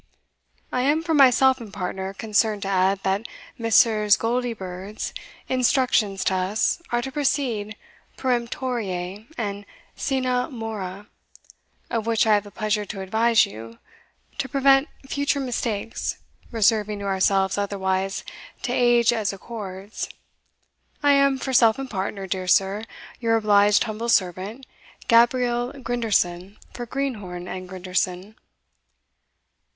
I am, for myself and partner, concerned to add, that Messrs. Goldiebirds' instructions to us are to proceed peremptorie and sine mora, of which I have the pleasure to advise you, to prevent future mistakes, reserving to ourselves otherwise to age' as accords. I am, for self and partner, dear sir, your obliged humble servant, Gabriel Grinderson, for Greenhorn and Grinderson."